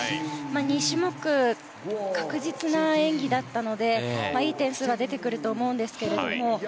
２種目、確実な演技だったのでいい点数が出てくると思うんですけれども。